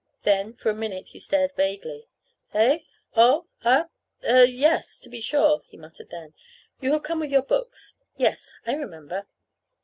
Then, for a minute, he stared vaguely. "Eh? Oh! Ah er yes, to be sure," he muttered then, "You have come with your books. Yes, I remember."